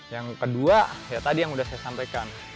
yang kedua ya tadi yang sudah saya sampaikan